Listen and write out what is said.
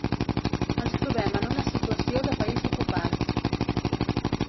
Ens trobem en una situació de país ocupat.